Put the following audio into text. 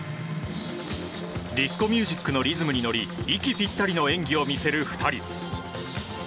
ディスコミュージックのリズムに乗り息ぴったりの演技を見せる２人。